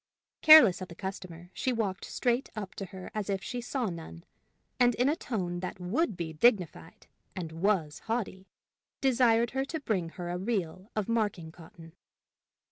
Careless of the customer, she walked straight up to her as if she saw none, and in a tone that would be dignified, and was haughty, desired her to bring her a reel of marking cotton.